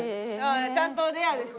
ちゃんとレアでしたね。